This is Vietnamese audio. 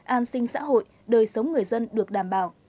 an sinh xã hội đời sống người dân được đảm bảo